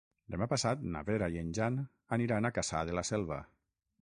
Demà passat na Vera i en Jan aniran a Cassà de la Selva.